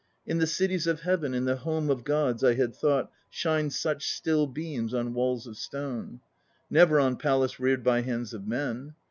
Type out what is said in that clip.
In the Cities of Heaven, in the home of Gods, I had thought, Shine such still beams on walls of stone; Never on palace reared by hands of men.